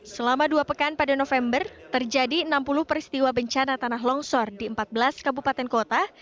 selama dua pekan pada november terjadi enam puluh peristiwa bencana tanah longsor di empat belas kabupaten kota